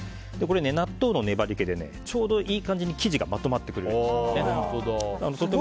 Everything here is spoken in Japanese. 納豆の粘り気でちょうどいい感じに生地がまとまってくれます。